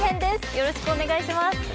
よろしくお願いします。